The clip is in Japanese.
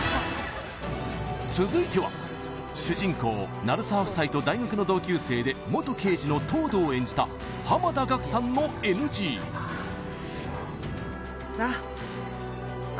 続いては主人公鳴沢夫妻と大学の同級生で元刑事の東堂を演じた濱田岳さんのＮＧなあ